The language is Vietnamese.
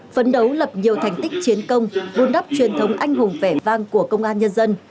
phấn đấu lập nhiều thành tích chiến công vun đắp truyền thống anh hùng vẻ vang của công an nhân dân